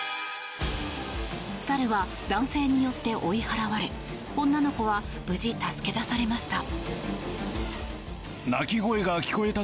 猿は男性によって追い払われ女の子は無事、助け出されました。